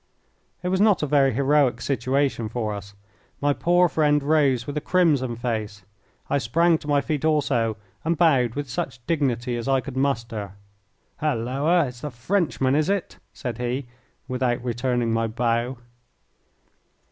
It was not a very heroic situation for us. My poor friend rose with a crimson face. I sprang to my feet also and bowed with such dignity as I could muster. "Halloa! it's the Frenchman, is it?" said he, without returning my bow.